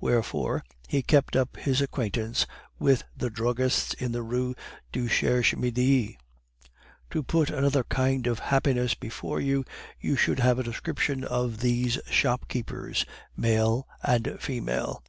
Wherefore, he kept up his acquaintance with the druggists in the Rue du Cherche Midi. "To put another kind of happiness before you, you should have a description of these shopkeepers, male and female.